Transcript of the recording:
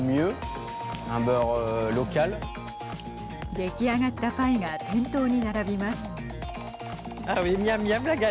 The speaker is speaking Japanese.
出来上がったパイが店頭に並びます。